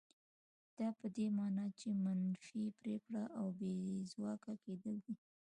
دا په دې مانا چې منفي پرېکړه او بې ځواکه کېدل دي.